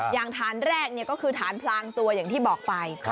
อย่างฐานแรกก็คือฐานพลางตัวอย่างที่บอกไป